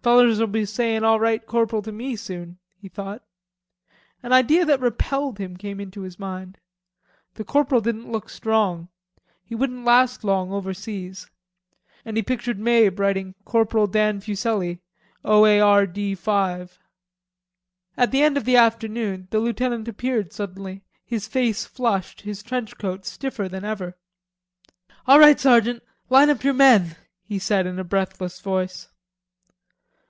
"Fellers'll be sayin' 'All right, corporal,' to me soon," he thought. An idea that he repelled came into his mind. The corporal didn't look strong. He wouldn't last long overseas. And he pictured Mabe writing Corporal Dan Fuselli, O.A.R.D.5. At the end of the afternoon, the lieutenant appeared suddenly, his face flushed, his trench coat stiffer than ever. "All right, sergeant; line up your men," he said in a breathless voice.